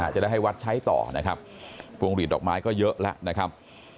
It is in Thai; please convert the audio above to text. จะได้ให้วัดใช้ต่อนะครับพวงหลีดดอกไม้ก็เยอะแล้วนะครับ